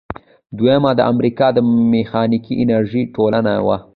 دریمه د امریکا د میخانیکي انجینری ټولنه وه.